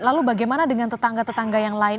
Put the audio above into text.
lalu bagaimana dengan tetangga tetangga yang lain